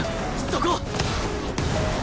そこ！